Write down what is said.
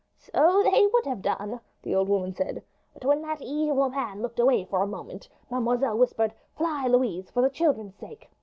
"So they would have done," the old woman said; "but when that evil man looked away for a moment, mademoiselle whispered, 'Fly, Louise, for the children's sake!'